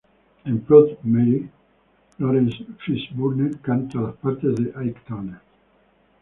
En ""Proud Mary"", Laurence Fishburne canta las partes de Ike Turner.